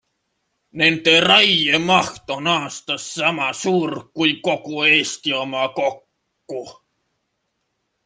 Nende raiemaht on aastas sama suur kui kogu Eesti oma kokku.